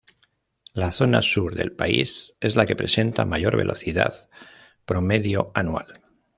La zona sur del país es la que presenta mayor velocidad promedio anual.